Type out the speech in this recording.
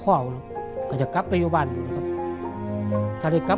จากจังหวัดนครราชศีมะครับ